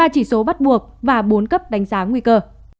ba chỉ số bắt buộc và bốn cấp đánh giá nguy cơ